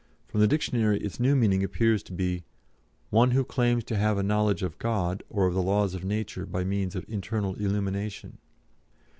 From the dictionary its new meaning appears to be, 'one who claims to have a knowledge of God, or of the laws of nature by means of internal illumination.'